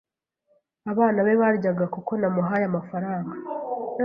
abana be baryaga kuko namuhaye amafaranga